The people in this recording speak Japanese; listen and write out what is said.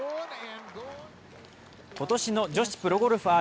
今年の女子プロゴルファー